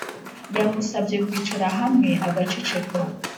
yamusabye kwicara hamwe agaceceka